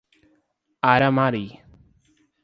Aramari